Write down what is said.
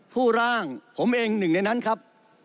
ผู้ร่างผมเองหนึ่งในนั้นครับ